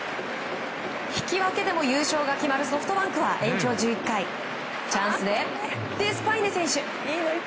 引き分けでも優勝が決まるソフトバンクは延長１１回チャンスでデスパイネ選手。